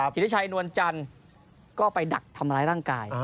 ธิริชัยนวลจันทร์ก็ไปดักทำร้ายร่างกาย